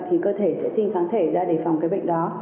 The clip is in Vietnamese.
thì cơ thể sẽ xin phán thể ra để phòng cái bệnh đó